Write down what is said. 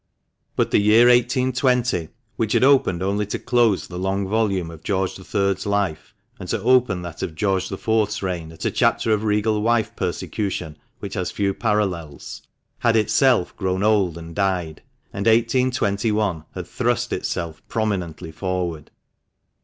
But the year 1820, which had opened only to close the long volume of George the Third's life, and to open that of George the Fourth's reign at a chapter of regal wife persecution which has few parallels, had itself grown old and died, and 1821 had thrust itself prominently forward.